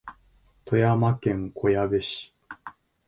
富山県小矢部市